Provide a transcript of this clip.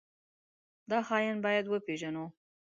دا خاين بايد وپېژنو.